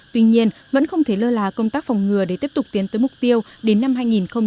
tuy nhiên vẫn không thể lơ lá công tác phòng ngừa để tiếp tục tiến tới mục tiêu đến năm hai nghìn hai mươi một